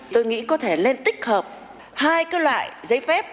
tôi nghĩ có thể lên tích hợp hai cái loại giấy phép